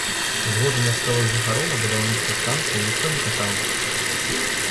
Згоды мясцовых жыхароў на будаўніцтва станцыі ніхто не пытаў.